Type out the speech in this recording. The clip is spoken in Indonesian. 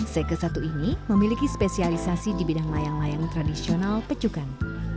seke satu ini memiliki spesialisasi di bidang layang layang tradisional pecukan